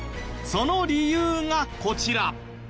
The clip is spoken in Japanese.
その理由がこちら。